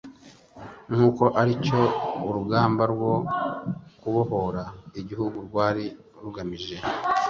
nk'uko ari cyo urugamba rwo kubohora igihugu rwari rugamije